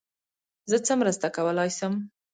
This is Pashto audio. زه څه مرسته کولای سم.